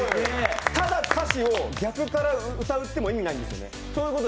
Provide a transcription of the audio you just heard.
ただ、歌詞を逆から歌っても意味ないんですよね。